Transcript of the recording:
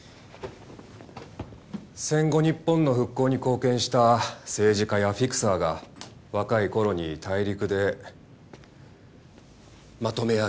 戦後日本の復興に貢献した政治家やフィクサーが若い頃に大陸でまとめ上げた。